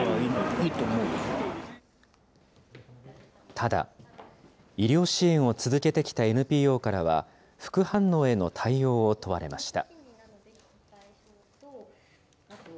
ただ、医療支援を続けてきたＮＰＯからは、副反応への対応を問われました。